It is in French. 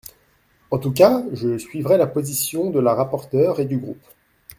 En tout cas, je suivrai la position de la rapporteure et du groupe.